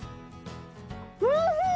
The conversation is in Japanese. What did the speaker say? おいしい！